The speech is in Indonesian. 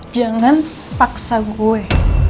jangan paksa gue